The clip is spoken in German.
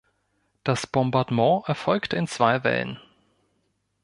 Das Bombardement erfolgte in zwei Wellen.